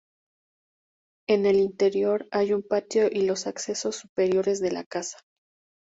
En el interior hay un patio y los accesos superiores de la casa.